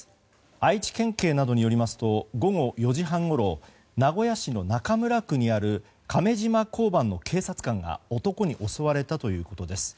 愛知県警などによりますと午後４時半ごろ名古屋市の中村区にある亀島交番の警察官が男に襲われたということです。